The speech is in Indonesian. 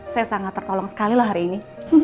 saya sangat tertolong sekali lah hari ini